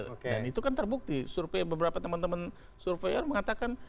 dan itu kan terbukti beberapa teman teman surveyor mengatakan